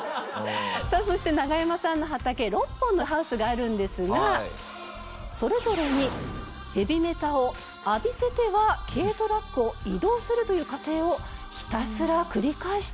さあそしてナガヤマさんの畑６本のハウスがあるんですがそれぞれにヘビメタを浴びせては軽トラックを移動するという過程をひたすら繰り返していきます。